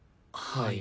はい。